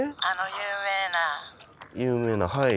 有名なはい。